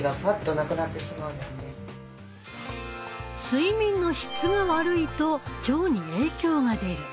「睡眠の質が悪いと腸に影響が出る」。